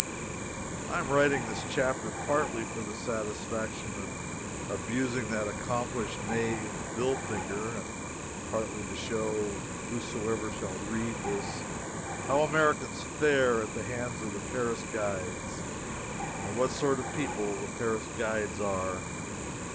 I am writing this chapter partly for the satisfaction of abusing that accomplished knave Billfinger, and partly to show whosoever shall read this how Americans fare at the hands of the Paris guides and what sort of people Paris guides are.